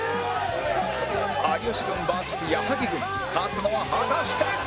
有吉軍 ＶＳ 矢作軍勝つのは果たして？